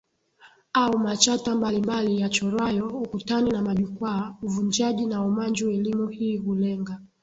Au machata mbali mbali yachorwayo ukutani na majukwaa uvunjaji na umanju Elimu hii hulenga